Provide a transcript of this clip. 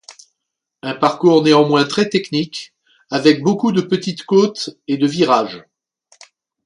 Un parcours néanmoins très techniques, avec beaucoup de petites côtes et de virages.